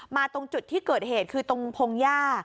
ตรงจุดที่เกิดเหตุคือตรงพงหญ้า